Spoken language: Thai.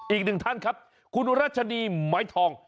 อีกหนึ่งท่านครับคุณรัชนีไม้ทอง